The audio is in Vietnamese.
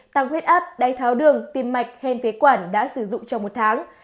tăng huyết áp đai tháo đường tiêm mạch hèn phế quản đã sử dụng trong một tháng